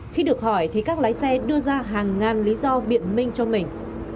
khi được hỏi thì các lái xe đưa ra hàng ngàn lý do biện minh cho mình